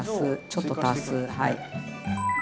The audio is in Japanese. ちょっと足すはい。